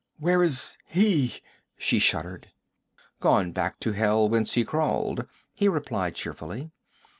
'Where is he?' she shuddered. 'Gone back to hell whence he crawled,' he replied cheerfully.